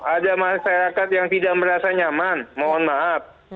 ada masyarakat yang tidak merasa nyaman mohon maaf